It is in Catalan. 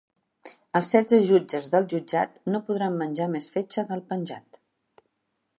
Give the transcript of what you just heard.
Els setze jutges del jutjat no podran menjar més fetge del penjat.